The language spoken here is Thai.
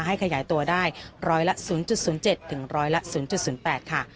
ขยายตัวได้ร้อยละ๐๐๗ถึงร้อยละ๐๐๘ค่ะ